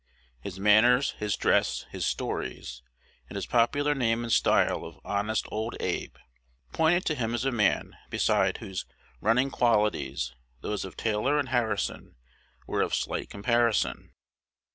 His manners, his dress, his stories, and his popular name and style of "Honest Old Abe," pointed to him as a man beside whose "running qualities" those of Taylor and Harrison were of slight comparison.